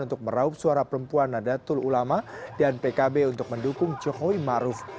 untuk meraup suara perempuan nadatul ulama dan pkb untuk mendukung jokowi maruf